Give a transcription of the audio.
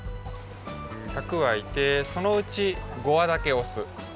１００わいてそのうち５わだけおす。